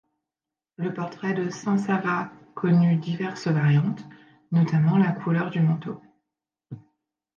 Le portrait de saint Sava connut diverses variantes, notamment la couleur du manteau.